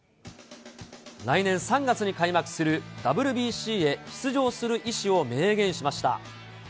来年３月に開幕するＷＢＣへ出場する意思を明言しました。